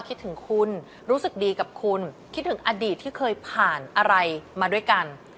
คิดถึงคุณรู้สึกดีกับคุณคิดถึงอดีตที่เคยผ่านอะไรมาด้วยกัน